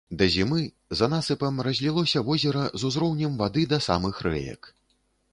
Да зімы за насыпам разлілося возера з узроўнем вады да самых рэек.